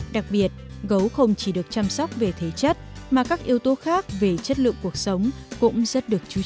đặc biệt gấu không chỉ được chăm sóc về thế trị